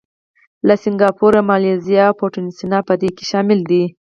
لکه سینګاپور، مالیزیا او بوتسوانا په دې کې شامل دي.